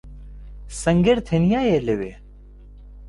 سەنگەر تەنیایە لەوێ.